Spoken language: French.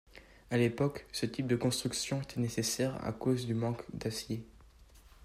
À l'époque, ce type de construction était nécessaire à cause du manque d'acier.